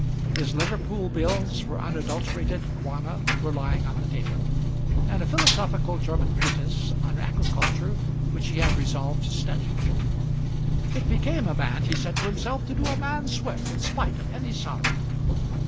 His Liverpool bills for unadulterated guano were lying on the table, and a philosophical German treatise on agriculture which he had resolved to study. It became a man, he said to himself, to do a man's work in spite of any sorrow.